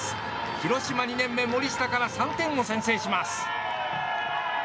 広島２年目、森下から３点を先制します。